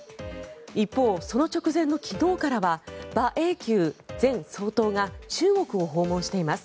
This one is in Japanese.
一方、その直前の昨日からは馬英九前総統が中国を訪問しています。